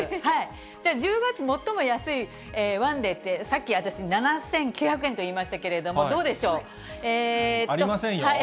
じゃあ１０月、最も安い１デーって、さっき私、７９００円と言いましたけれども、どうでしょう。